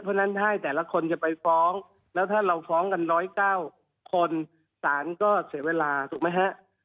เพราะฉะนั้นถ้าให้แต่ละคนจะไปฟ้องแล้วถ้าเราฟ้องกัน๑๐๙คนสารก็เสียเวลาถูกไหมฮะ